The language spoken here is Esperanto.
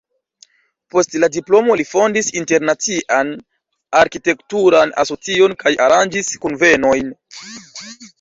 Post la diplomo li fondis internacian arkitekturan asocion kaj aranĝis kunvenojn.